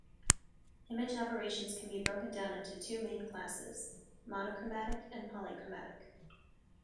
Image aberrations can be broken down into two main classes, monochromatic, and polychromatic.